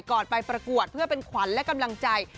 ไปประกวดเพื่อเป็นขวัญและกำลังใจ